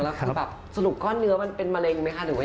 สรุปก้อนเนื้อมันเป็นมะเร็งไหมคะหรือว่าอย่างไร